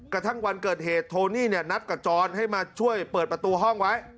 กระทั่งวันเกิดเหตุโทนี่นัดกับจรให้มาช่วยเปิดประตูห้องไว้